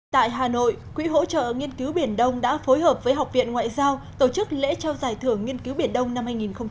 tại hà nội quỹ hỗ trợ nghiên cứu biển đông đã phối hợp với học viện ngoại giao tổ chức lễ trao giải thưởng nghiên cứu biển đông năm hai nghìn một mươi chín